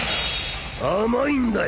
甘いんだよ。